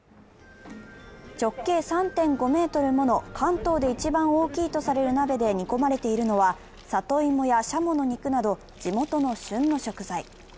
直径３．５ｍもの関東で一番大きいとされる鍋で煮込まれているのは里芋やシャモの肉など地元の旬の食材。